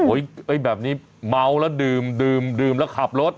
แบบนี้เมาแล้วดื่มดื่มแล้วขับรถ